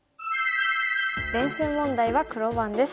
練習問題は黒番です。